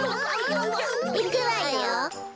いくわよ。